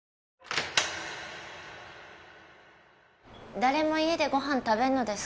誰も家でご飯食べんのですか？